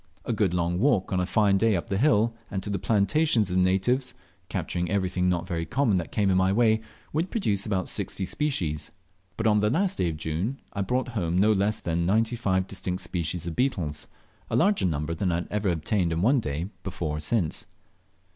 A good long walk on a fine day up the hill, and to the plantations of the natives, capturing everything not very common that came in my way, would produce about 60 species; but on the last day of June I brought home no less than 95 distinct kinds of beetles, a larger number than I ever obtained in one day before or since.